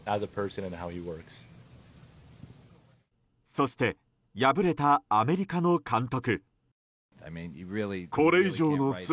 そして敗れたアメリカの監督。